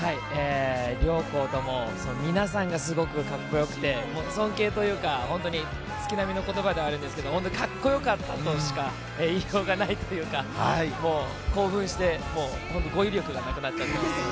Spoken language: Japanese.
両校とも皆さんがすごくかっこよくて、尊敬というか、月並みの言葉ではありますが、カッコ良かったとしか言いようがないというか、興奮して、語彙力がなくなっちゃってます。